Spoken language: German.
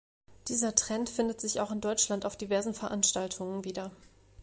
Dieser Trend findet sich auch in Deutschland auf diversen Veranstaltungen wieder.